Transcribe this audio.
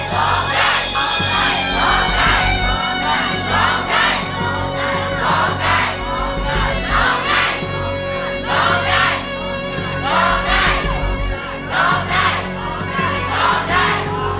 โทษให้โทษให้โทษให้โทษให้